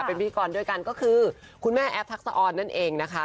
เป็นพิธีกรด้วยกันก็คือคุณแม่แอฟทักษะออนนั่นเองนะคะ